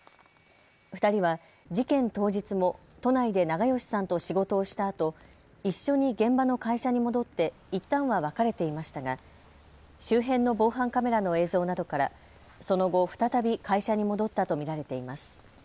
２人は事件当日も都内で長葭さんと仕事をしたあと一緒に現場の会社に戻っていったんは別れていましたが周辺の防犯カメラの映像などからその後、再び会社に戻ったと見られています。